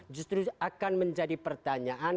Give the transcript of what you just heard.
justru akan menjadi pertanyaan